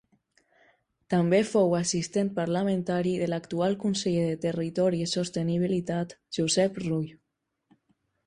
També fou assistent parlamentari de l'actual Conseller de territori i sostenibilitat, Josep Rull.